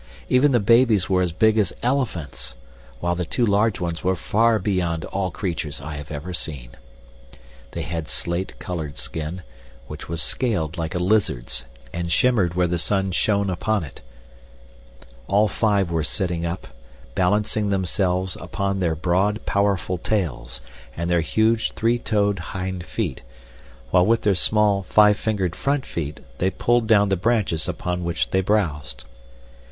Even the babies were as big as elephants, while the two large ones were far beyond all creatures I have ever seen. They had slate colored skin, which was scaled like a lizard's and shimmered where the sun shone upon it. All five were sitting up, balancing themselves upon their broad, powerful tails and their huge three toed hind feet, while with their small five fingered front feet they pulled down the branches upon which they browsed.